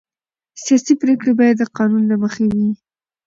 سیاسي پرېکړې باید د قانون له مخې وي